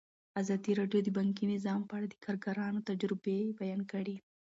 ازادي راډیو د بانکي نظام په اړه د کارګرانو تجربې بیان کړي.